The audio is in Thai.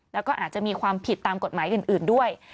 แล้วก็อาจจะมีความผิดตามกฎหมายอื่นด้วย